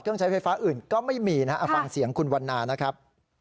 ใช้ไฟฟ้าอื่นก็ไม่มีนะฮะฟังเสียงคุณวันนานะครับ